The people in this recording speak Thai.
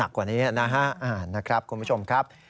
ฟังเสียงอาสามูลละนิทีสยามร่วมใจ